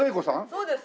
そうです。